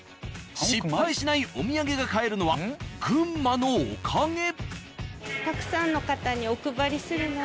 失敗しないお土産が買えるのは群馬のおかげ。